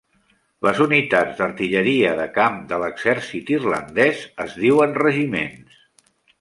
Les unitats d'artilleria de camp de l'exèrcit irlandès es diuen regiments.